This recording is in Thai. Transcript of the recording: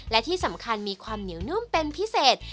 และที่สำคัญมีความเหนียวนุ่มเป็นพิเศษ